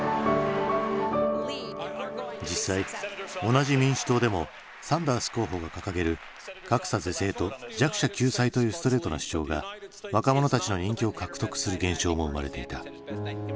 実際同じ民主党でもサンダース候補が掲げる格差是正と弱者救済というストレートな主張が若者たちの人気を獲得する現象も生まれていた。